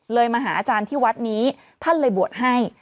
มาหาอาจารย์ที่วัดนี้ท่านเลยบวชให้